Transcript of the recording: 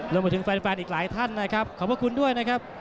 รวมไปถึงแฟนอีกหลายท่านนะครับขอบคุณด้วยนะครับ